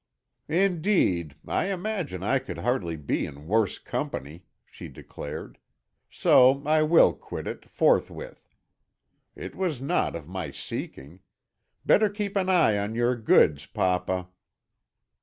"Indeed, I imagine I could hardly be in worse company," she declared. "So I will quit it, forthwith. It was not of my seeking. Better keep an eye on your goods, papa."